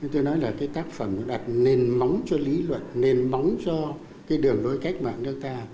tôi nói là cái tác phẩm đặt nền móng cho lý luận nền móng cho cái đường lối cách mạng nước ta